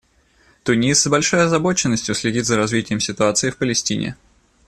Тунис с большой озабоченностью следит за развитием ситуации в Палестине.